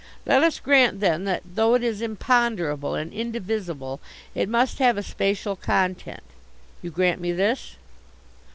Let us grant, then, that though it is imponderable and indivisible it must have a spacial content? You grant me this?"